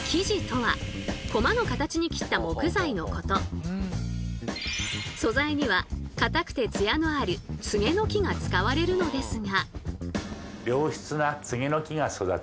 一般に素材には硬くてツヤのあるツゲの木が使われるのですが。